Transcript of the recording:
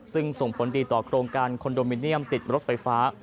ซึ่งส่งผลดีต่อโครงการคอนโดมิเนียมติดรถไฟฟ้า